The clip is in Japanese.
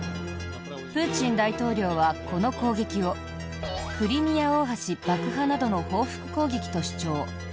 プーチン大統領は、この攻撃をクリミア大橋爆破などの報復攻撃と主張。